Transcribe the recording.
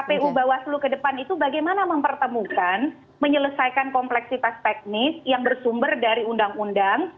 kpu bawaslu ke depan itu bagaimana mempertemukan menyelesaikan kompleksitas teknis yang bersumber dari undang undang